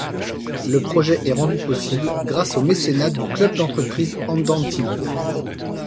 Le projet est rendu possible grâce au mécénat du club d’entreprises Andantino.